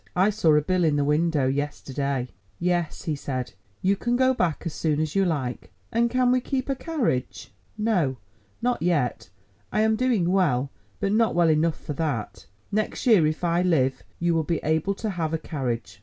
I saw a bill in the window yesterday." "Yes," he said, "you can go back as soon as you like." "And can we keep a carriage?" "No, not yet; I am doing well, but not well enough for that. Next year, if I live, you will be able to have a carriage.